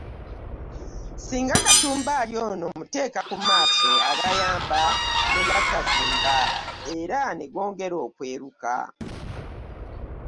Singa cucumber ono omuteeka ku maaso agayamba ne gatazimba, era ne gongera okweruka.